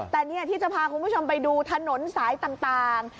แต่นี่ที่จะพาคุณผู้ชมไปดูถนนสายต่าง